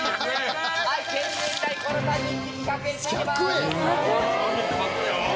１００円！？